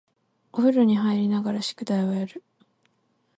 お風呂に入りながら宿題をやる